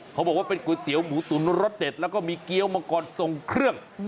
เขาบอกว่าเป็นก๋วยเตี๋ยวหมูตุ๋นรสเด็ดแล้วก็มีเกี้ยวมังกรทรงเครื่อง